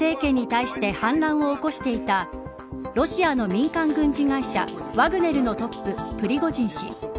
プーチン政権に対して反乱を起こしていたロシアの民間軍事会社ワグネルのトッププリゴジン氏。